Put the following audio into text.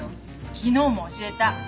昨日も教えた。